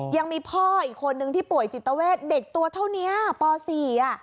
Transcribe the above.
ยังมีพ่ออีกคนนึงที่ป่วยจิตเวทเด็กตัวเท่านี้ปสี่อ่ะ